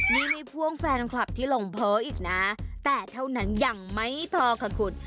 นี่ไม่พ่วงแฟนคลับที่ลงโพลอีกนะแต่เท่านั้นยังไม่พอค่ะคุณ